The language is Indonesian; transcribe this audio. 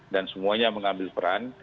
dan semuanya mengambil peran